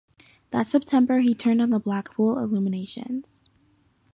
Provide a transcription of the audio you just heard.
That September he turned on the Blackpool Illuminations.